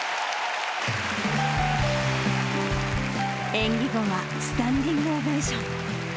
演技後はスタンディングオベーション。